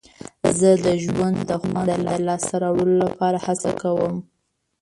زه د ژوند د خوند د لاسته راوړلو لپاره هڅه کوم.